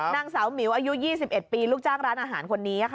นางสาวหมิวอายุ๒๑ปีลูกจ้างร้านอาหารคนนี้